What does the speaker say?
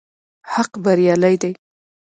حق بريالی دی